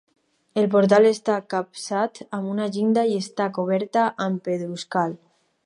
El portal està capçat amb una llinda i està coberta amb pedruscall.